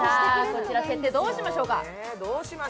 こちらの設定どうしましょうか？